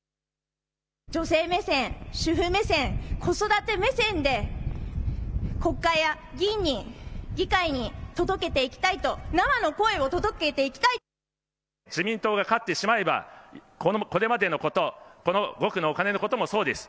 女性目線、主婦目線、子育て目線で、国会や議員に、議会に届けていきたいと、自民党が勝ってしまえば、これまでのこと、この５区のお金のこともそうです。